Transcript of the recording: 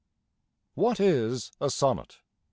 What is a sonnet